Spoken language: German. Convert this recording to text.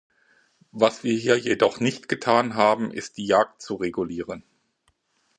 Was wir hier jedoch nicht getan haben, ist die Jagd zu regulieren.